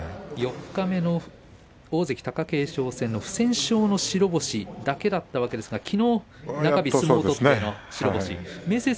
四日目の大関貴景勝戦の不戦勝の白星だけだったわけですがきのう中日、相撲ですね